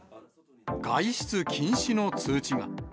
外出禁止の通知が。